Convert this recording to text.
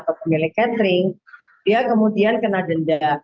atau pemilik catering dia kemudian kena denda